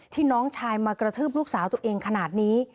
น้องชายมากระทืบลูกสาวตัวเองขนาดนี้